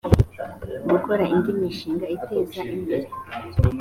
gukora indi mishinga iteza imbere